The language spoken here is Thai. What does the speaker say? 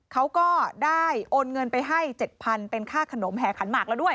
เขาก็ได้โอนเงินไปให้๗๐๐เป็นค่าขนมแห่ขันหมากแล้วด้วย